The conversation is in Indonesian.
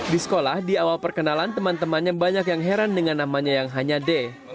di sekolah di awal perkenalan teman temannya banyak yang heran dengan namanya yang hanya d